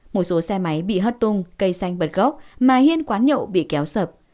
một số xe máy bị hất tung cây xanh bật gốc mà hiên quán nhậu bị kéo sập